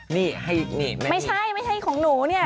นี่ให้นี่ไม่ใช่ไม่ใช่ของหนูเนี่ย